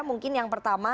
mungkin yang pertama